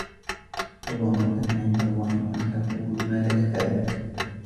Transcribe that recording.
كَبُرَ مَقْتًا عِنْدَ اللَّهِ أَنْ تَقُولُوا مَا لَا تَفْعَلُونَ